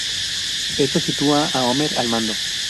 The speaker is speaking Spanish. Esto sitúa a Homer al mando.